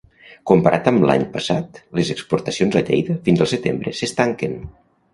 Comparat amb l'any passat, les exportacions a Lleida fins al setembre s'estanquen.